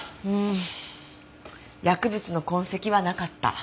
うーん薬物の痕跡はなかった。